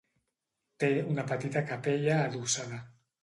Té una petita capella adossada.